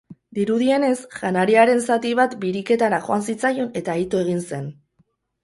Dirudienez, janariaren zati bat biriketara joan zitzaion eta ito egin zen.